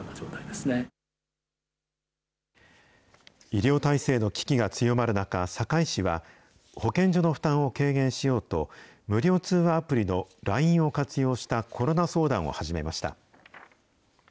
医療体制の危機が強まる中、堺市は保健所の負担を軽減しようと、無料通話アプリのＬＩＮＥを活用したコロナ相談を始めました。